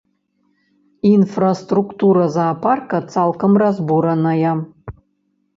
Інфраструктура заапарка цалкам разбураная.